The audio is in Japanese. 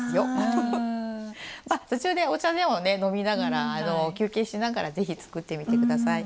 途中でお茶でもね飲みながら休憩しながら是非作ってみて下さい。